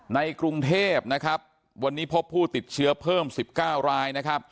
ในกรุงเทพฯวันนี้พบผู้ติดเชื้อเพิ่ม๑๙ราย